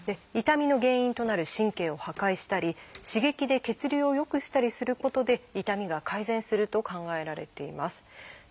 痛みの原因となる神経を破壊したり刺激で血流を良くしたりすることで痛みが改善すると考えられています。